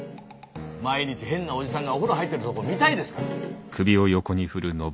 毎日変なおじさんがお風呂入ってるとこ見たいですか？